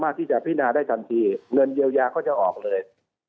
ที่จะพินาได้ทันทีเงินเยียวยาก็จะออกเลย